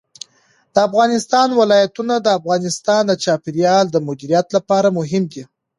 د افغانستان ولايتونه د افغانستان د چاپیریال د مدیریت لپاره مهم دي.